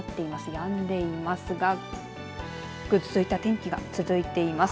やんでいますがぐずついた天気が続いています。